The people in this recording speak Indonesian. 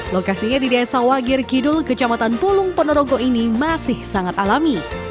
lokasinya di desa wagir kidul kecamatan pulung ponorogo ini masih sangat alami